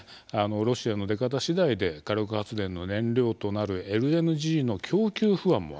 ロシアの出方次第で火力発電の燃料となるＬＮＧの供給不安もあるんですね。